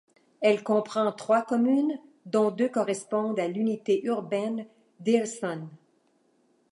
Elle comprend trois communes, dont deux correspondent à l'unité urbaine d'Hirson.